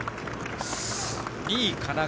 ２位、神奈川。